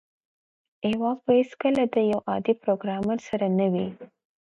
ځواک به هیڅکله د یو عادي پروګرامر سره نه وي